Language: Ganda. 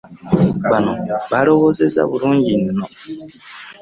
Bano balowoozezza bulungi nno.